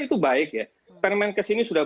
itu baik ya permen case ini sudah